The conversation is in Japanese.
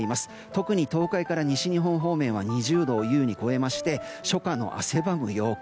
特に東海から西日本方面は２０度を優に超えまして初夏の汗ばむ陽気。